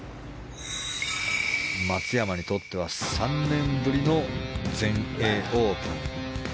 松山にとっては３年ぶりの全英オープン。